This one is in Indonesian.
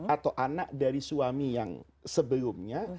atau anak dari suami yang sebelumnya